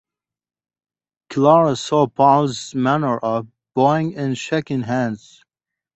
Clara saw Paul’s manner of bowing and shaking hands.